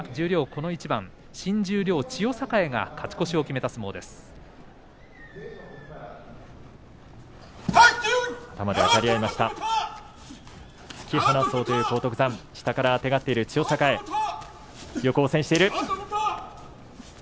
この一番、新十両千代栄が勝ち越しを決めた一番です。